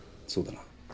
そうだな。